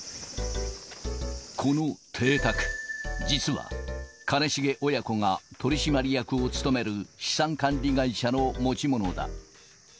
この邸宅、実は兼重親子が取締役を務める資産管理会社の持ち物だ。